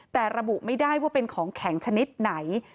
แต่ระบุไม่ได้ว่าเป็นของแข็งชนิดไหน